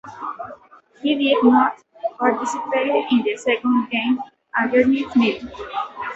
He did not participate in the second game against Meath.